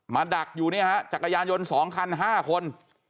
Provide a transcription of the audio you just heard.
มาดักอยู่เนี้ยฮะจักรยานยนต์สองคันห้าคน